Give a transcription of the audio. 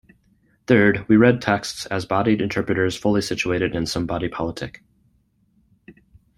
Third, we read texts as bodied interpreters fully situated in some body politic.